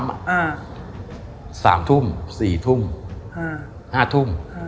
ขับรถอยู่ตั้งแต่๒ทุ่มออกจากปั๊ม๓ทุ่ม๔ทุ่ม๕ทุ่ม